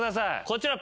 こちら。